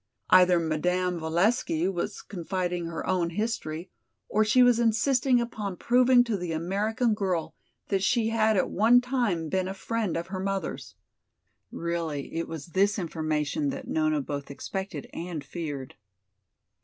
Either Madame Valesky was confiding her own history, or she was insisting upon proving to the American girl that she had at one time been a friend of her mother's. Really, it was this information that Nona both expected and feared.